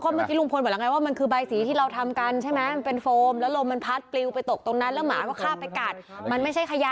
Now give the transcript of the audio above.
เมื่อกี้ลุงพลบอกแล้วไงว่ามันคือใบสีที่เราทำกันใช่ไหมมันเป็นโฟมแล้วลมมันพัดปลิวไปตกตรงนั้นแล้วหมาก็ข้ามไปกัดมันไม่ใช่ขยะ